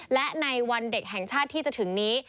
และในวันเด็กแห่งชาติที่จะถึงนี้